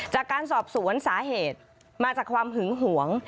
จากการสอบสวนสาเหตุมาจากความหึงหวง